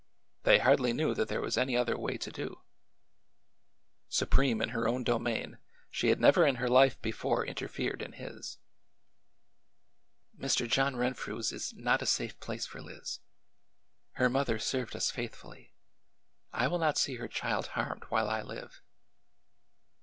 They hardly knew that there was any other way to do. Su preme in her own domain, she had never in her life before interfered in his. '' Mr. John Renfrew's is not a safe place for Liz. Her mother served us faithfully. I will not see her child harmed while I live."